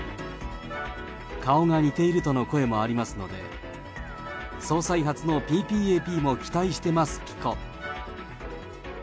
顔が似ているとの声もありますので、総裁初のＰＰＡＰも期待してますピコ！